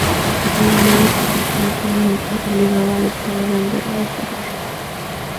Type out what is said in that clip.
La mala situación económica obligaba al estado a venderla o cerrar.